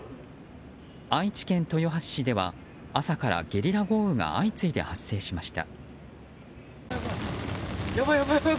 愛知県豊橋市では朝からゲリラ豪雨が相次いで発生しました。